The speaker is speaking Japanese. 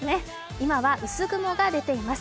今は薄雲が出ています。